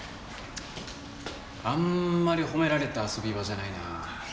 あんまり褒められた遊び場じゃないな。